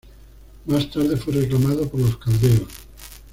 Más tarde fue reclamado por los caldeos.